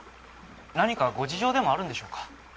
何かご事情でもあるんでしょうか？